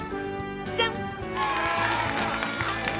じゃん！